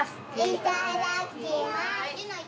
いただきます！